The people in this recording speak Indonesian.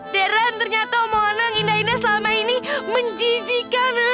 darren ternyata omongan lu yang indah indah selama ini menjijikan